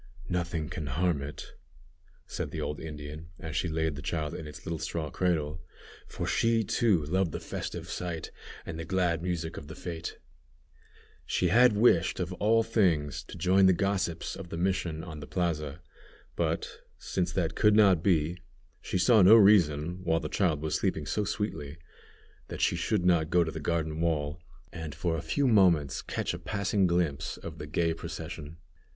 "Nothing can harm it," said the old Indian, as she laid the child in its little straw cradle, for she, too, loved the festive sight and glad music of the fête. She had wished, of all things, to join the gossips of the mission on the plaza, but, since that could not be, she saw no reason, while the child was sleeping so sweetly, that she should not go to the garden wall, and for a few moments catch a passing glimpse of the gay procession.